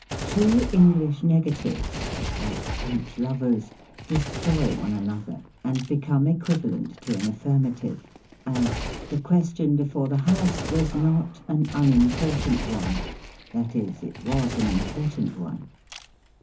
Two English negatives (like French lovers) destroy one another, — and become equivalent to an affirmative : as, " The question befox'e the House was 7iot an unini' portant one ;" that is, " it was an important one."